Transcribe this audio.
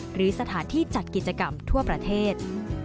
หรือสถานที่จัดกิจกรรมทั่วประเทศ